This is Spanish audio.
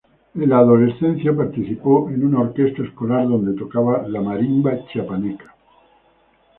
En la adolescencia participó en una orquesta escolar donde tocaba la marimba chiapaneca.